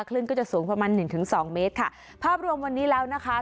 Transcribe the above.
คลื่นก็จะสูงประมาณหนึ่งถึงสองเมตรค่ะภาพรวมวันนี้แล้วนะคะ